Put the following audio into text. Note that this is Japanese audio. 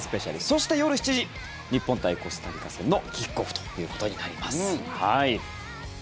そして夜７時日本対コスタリカ戦のキックオフということになります。